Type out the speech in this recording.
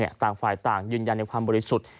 ต่างฝ่ายต่างยืนยันในความบริสุทธิ์